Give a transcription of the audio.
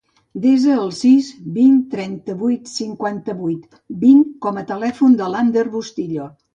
Desa el sis, vint, trenta-vuit, cinquanta-vuit, vint com a telèfon de l'Ander Bustillo.